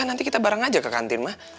nanti kita bareng aja ke kantin mah